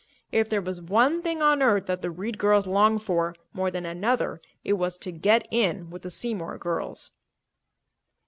If there was one thing on earth that the Reed girls longed for more than another it was to "get in" with the Seymour girls.